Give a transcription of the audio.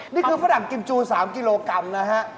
นี่คือฝรั่งกิมจู๓กิโลกรัมนะฮะ